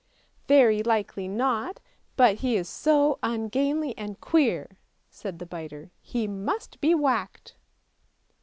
" Very likely not, but he is so ungainly and queer," said the biter; " he must be whacked."